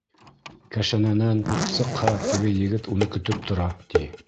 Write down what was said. Кәшәнәнән сыҡһа, теге егет уны көтөп тора, ти.